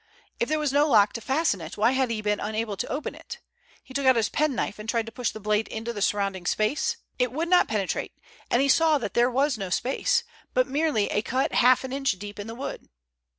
If there was no lock to fasten it why had he been unable to open it? He took out his penknife and tried to push the blade into the surrounding space. It would not penetrate, and he saw that there was no space, but merely a cut half an inch deep in the wood.